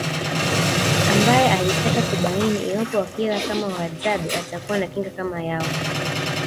Ambae alitaka kubaini iwapo akila kama Wahadzabe atakuwa na kinga kama yao